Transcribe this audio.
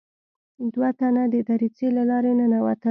دوه تنه د دريڅې له لارې ننوتل.